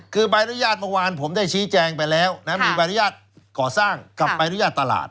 คือบรรยาทเมื่อวานผมได้ชี้แจงไปแล้วมีบรรยาทก่อสร้างกับบรรยาทตลาด